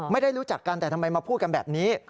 ไม่ได้รู้จักกันแต่ทำไมมาพูดกันแบบนี้